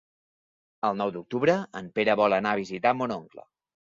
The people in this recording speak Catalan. El nou d'octubre en Pere vol anar a visitar mon oncle.